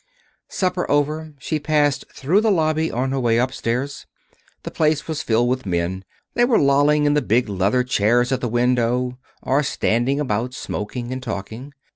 Supper over she passed through the lobby on her way upstairs. The place was filled with men. They were lolling in the big leather chairs at the window, or standing about, smoking and talking.